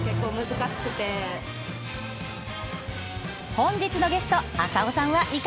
本日のゲスト浅尾さんはいかがですか？